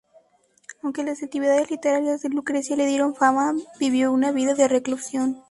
Aunque las actividades literarias de Lucrezia le dieron fama, vivió una vida de reclusión.